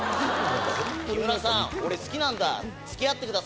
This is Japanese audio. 木村さん、俺好きなんだ。